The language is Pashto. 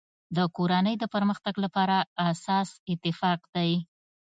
د کورنی د پرمختګ لپاره اساس اتفاق دی.